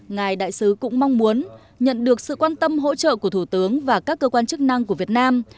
ngài đại sứ cũng mong muốn nhận được sự quan tâm hỗ trợ của thủ tướng và các cơ quan chức năng của việt nam